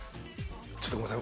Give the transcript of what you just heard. ちょっとごめんなさい。